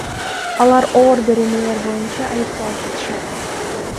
Алар оор беренелер боюнча айтыпталып жатышат.